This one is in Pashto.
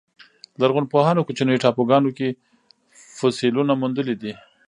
لرغونپوهانو کوچنیو ټاپوګانو کې فسیلونه موندلي دي.